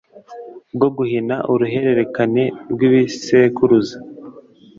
bwo guhina uruhererekane rw ibisekuruza